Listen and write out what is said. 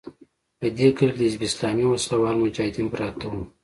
په دې کلي کې د حزب اسلامي وسله وال مجاهدین پراته وو.